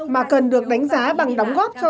mà cần được đánh giá bằng đóng góp cho